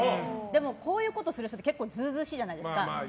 こういうことする人って図々しいじゃないですか。